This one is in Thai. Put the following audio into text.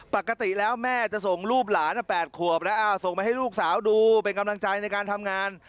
ปกติแล้วแม่จะส่งรูปหลาน๘ขวบแล้วส่งมาให้ลูกสาวดูเป็นกำลังใจในการทำงาน